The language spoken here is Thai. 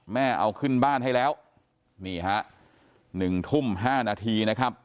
แม่เอาขึ้นบ้านให้แล้วนี่ฮะ๑ทุ่ม๕นาทีนะครับ